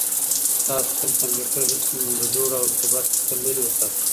تاسو خپل کمپیوټر د دوړو او رطوبت څخه تل لرې وساتئ.